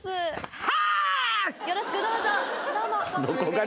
よろしくどうぞ。